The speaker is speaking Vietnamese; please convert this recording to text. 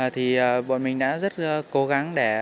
thì bọn mình đã rất cố gắng để